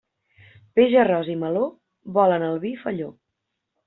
Peix, arròs i meló volen el vi felló.